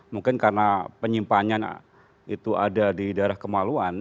mungkin karena penyimpanan itu ada di daerah kemaluan